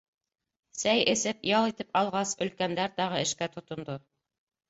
Сәй эсеп, ял итеп алғас, өлкәндәр тағы эшкә тотондо.